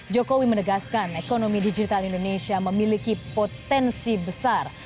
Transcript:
jokowi menegaskan ekonomi digital indonesia memiliki potensi besar